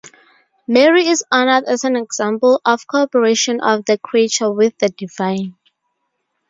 Mary is honored as an example of co-operation of the creature with the Divine.